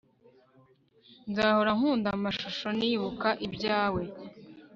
nzahora nkunda amashusho nibuka ibyawe